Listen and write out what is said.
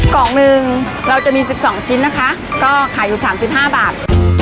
กล่องหนึ่งเราจะมีสิบสองชิ้นนะคะก็ขายอยู่สามสิบห้าบาท